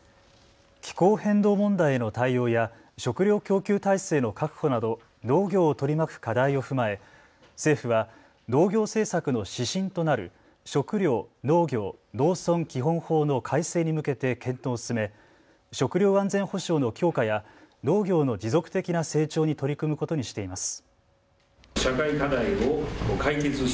気候変動問題への対応や食料供給体制の確保など農業を取り巻く課題を踏まえ政府は農業政策の指針となる食料・農業・農村基本法の改正に向けて検討を進め食料安全保障の強化や農業の持続的な成長に取り組むことにしています。